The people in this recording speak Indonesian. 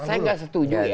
oh saya gak setuju ya